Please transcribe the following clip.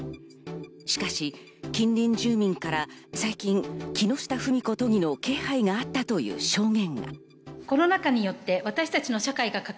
しかし、近隣住民から最近、木下富美子都議の気配があったという証言。